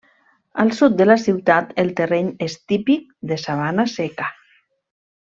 Al sud de la ciutat, el terreny és típic de sabana seca.